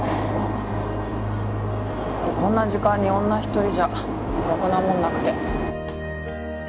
こんな時間に女一人じゃろくなもんなくて。